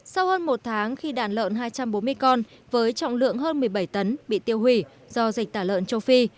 sau hơn một tháng khi đàn lợn hai trăm bốn mươi con với trọng lượng hơn một mươi bảy tấn bị tiêu hủy do dịch tả lợn châu phi